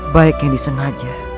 baik yang disengaja